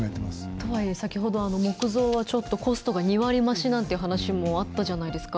とはいえ先ほど、木造はコストが２割増しなんていう話もあったじゃないですか。